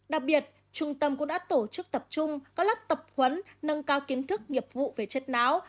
đặc biệt trung tâm cũng đã tổ chức tập trung có lắp tập huấn nâng cao kiến thức nghiệp vụ về chết não